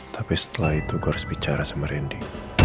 tapi setelah itu gue harus bicara sama randy